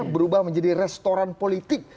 berubah menjadi restoran politik